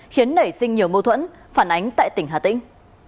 khiến nảy sinh nhiều mâu thuẫn phản ánh tại tỉnh hà tĩnh